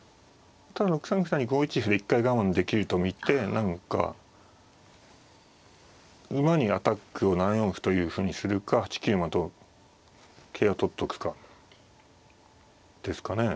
ただ６三歩成５一歩で一回我慢できると見て何か馬にアタックを７四歩というふうにするか８九馬と桂を取っとくかですかね。